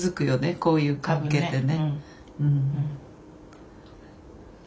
こういう関係ってね。